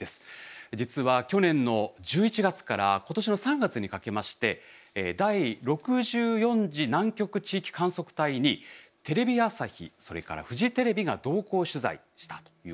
実は去年の１１月から今年の３月にかけまして第６４次南極地域観測隊にテレビ朝日それからフジテレビが同行取材したということで。